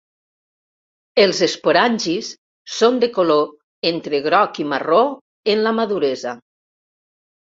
Els esporangis són de color entre groc i marró en la maduresa.